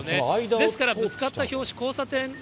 ですからぶつかった拍子、交差点。